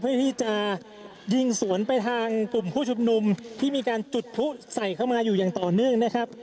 เพื่อที่จะยิงสวนไปทางกลุ่มผู้ชุมนุมที่มีการจุดพลุใส่เข้ามาอยู่อย่างต่อเนื่องนะครับ